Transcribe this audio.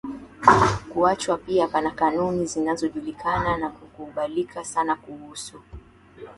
kuachwa Pia pana kanuni zinazojulikana na kukubalika sana kuhusu